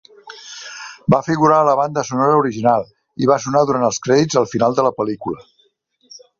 Va figurar a la banda sonora original i va sonar durant els crèdits al final de la pel·lícula.